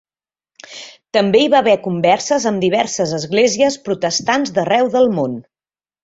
També hi va haver converses amb diverses esglésies protestants d'arreu del món.